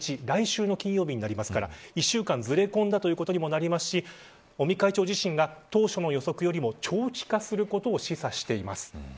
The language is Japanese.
来週の金曜日なので１週間ずれ込んだということにもなりますし尾身会長自身が当初の予測よりも長期化することを示唆しています。